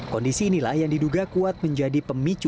kondisi inilah yang diduga kuat menjadi pemicu